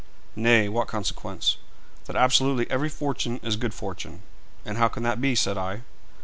'Nay; what consequence?' 'That absolutely every fortune is good fortune.' 'And how can that be?' said I.